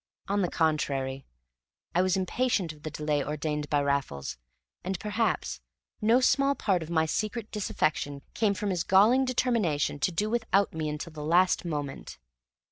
On the contrary, I was impatient of the delay ordained by Raffles; and, perhaps, no small part of my secret disaffection came of his galling determination to do without me until the last moment.